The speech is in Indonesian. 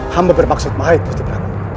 hamba bermaksud baik gusti prabu